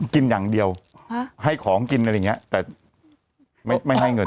กินอย่างเดียวให้ของกินอะไรอย่างเงี้ยแต่ไม่ให้เงิน